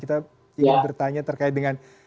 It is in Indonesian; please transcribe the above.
kita ingin bertanya terkait dengan